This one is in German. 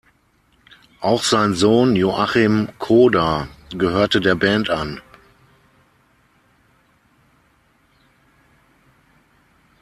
Auch sein Sohn Joachim Cooder gehörte der Band an.